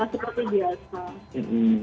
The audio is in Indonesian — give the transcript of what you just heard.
ketika seperti biasa